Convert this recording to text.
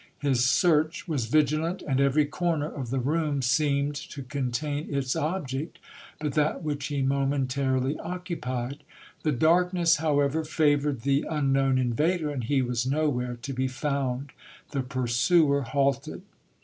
His search was vigilant, and every corner of the room seemed to contain its object, but that which he momentarily occupied. The darkness, however, favoured the un known invader, and he was nowhere to be found. The pursuer halted.